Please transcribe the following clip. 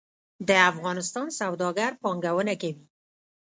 د افغانستان سوداګر پانګونه کوي